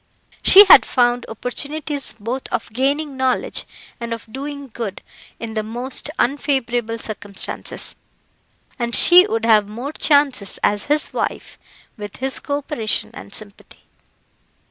She had found opportunities both of gaining knowledge and of doing good in the most unfavourable circumstances, and she would have more chances as his wife, with his co operation and sympathy.